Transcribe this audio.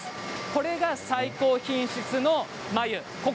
これが最高品質の繭です。